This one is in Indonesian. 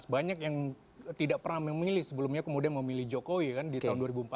banyak yang tidak pernah memilih sebelumnya kemudian memilih jokowi kan di tahun dua ribu empat belas